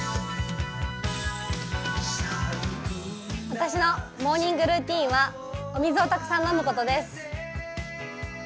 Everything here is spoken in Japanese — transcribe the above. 私のモーニングルーチンはお水をたくさん飲むことです。